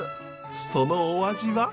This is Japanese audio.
そのお味は。